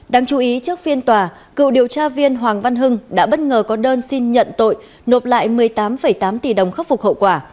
đáng chú ý trước phiên tòa cựu điều tra viên hoàng văn hưng đã bất ngờ có đơn xin nhận tội nộp lại một mươi tám tám tỷ đồng khắc phục hậu quả